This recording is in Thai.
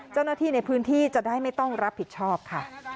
เจ้าหน้าที่ในพื้นที่จะได้ไม่ต้องรับผิดชอบค่ะ